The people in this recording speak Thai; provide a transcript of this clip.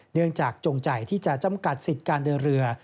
เนื่องจากจงใจที่จะจำกัดสิทธิ์การเดินเรือ